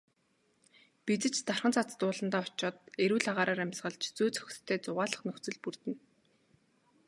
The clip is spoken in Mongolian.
Бид ч дархан цаазат ууландаа очоод эрүүл агаараар амьсгалж, зүй зохистой зугаалах нөхцөл бүрдэнэ.